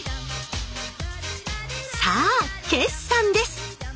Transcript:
さあ決算です！